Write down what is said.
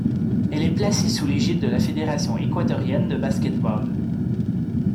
Elle est placée sous l'égide de la Fédération équatorienne de basket-ball.